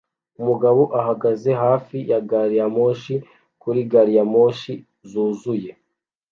Umugabo ahagaze hafi ya gari ya moshi kuri gari ya moshi zuzuye